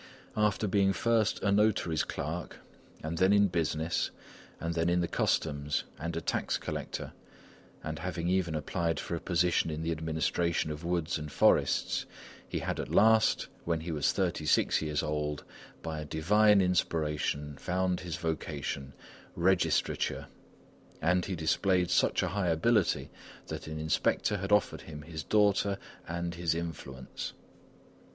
After being first a notary's clerk, then in business, then in the customs, and a tax collector, and having even applied for a position in the administration of woods and forests, he had at last, when he was thirty six years old, by a divine inspiration, found his vocation: registrature! and he displayed such a high ability that an inspector had offered him his daughter and his influence.